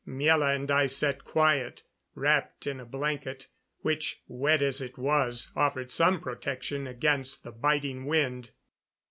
Miela and I sat quiet, wrapped in a blanket, which, wet as it was, offered some protection against the biting wind.